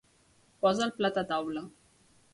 Posa el plat a taula.